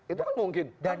itu kan mungkin